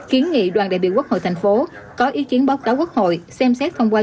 kiến nghị đoàn đại biểu quốc hội thành phố có ý kiến báo cáo quốc hội xem xét thông qua